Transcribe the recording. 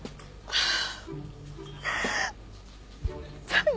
ああ。